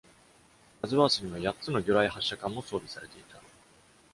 「ワズワース」には八つの魚雷発射管も装備されていた。